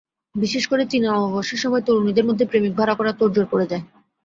বিশেষ করে চীনা নববর্ষের সময় তরুণীদের মধ্যে প্রেমিক ভাড়া করার তোড়জোড় পড়ে যায়।